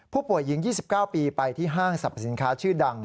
ผู้หญิง๒๙ปีไปที่ห้างสรรพสินค้าชื่อดัง